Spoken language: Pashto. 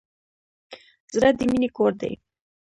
زړه د مینې کور دی.